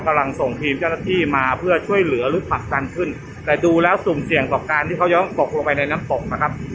กำลังส่งทีมเจ้าหน้าที่มาเพื่อช่วยเหลือหรือผลักดันขึ้นแต่ดูแล้วสุ่มเสี่ยงต่อการที่เขาย้อมตกลงไปในน้ำตกนะครับ